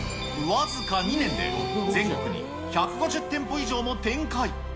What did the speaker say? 僅か２年で、全国に１５０店舗以上も展開。